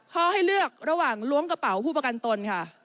ให้เลือกระหว่างล้วงกระเป๋าผู้ประกันตนค่ะ